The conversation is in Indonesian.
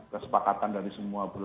kesepakatan dari semua